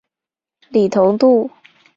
李同度。